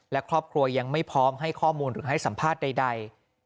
และครอบครัวยังไม่พร้อมให้ข้อมูลหรือให้สัมภาษณ์ใด